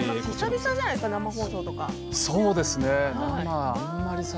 そうですね。